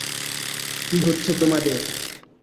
কী হচ্ছে তোমাদের?